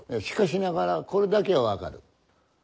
しかしながらこれだけは分かる。